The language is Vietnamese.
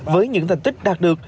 với những thành tích đạt được